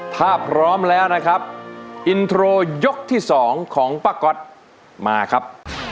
ถ้าพร้อมแล้วนะครับอินโทรยกที่๒ของป้าก๊อตมาครับ